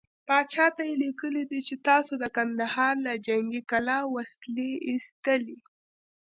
پاچا ته يې ليکلي دي چې تاسو د کندهار له جنګې کلا وسلې ايستلې.